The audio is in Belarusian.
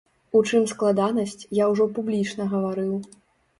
У чым складанасць, я ўжо публічна гаварыў.